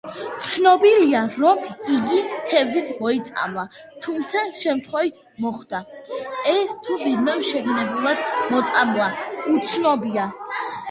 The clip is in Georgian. ცნობილია, რომ იგი თევზით მოიწამლა, თუმცა შემთხვევით მოხდა ეს თუ ვინმემ შეგნებულად მოწამლა უცნობია.